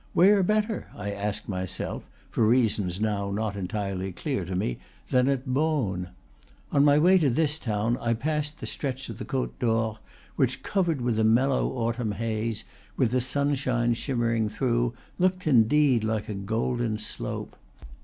Where better, I asked myself (for reasons not now entirely clear to me) than at Beaune? On my way to this town I passed the stretch of the Cote d'Or, which, covered with a mel low autumn haze, with the sunshine shimmering through, looked indeed like a golden slope.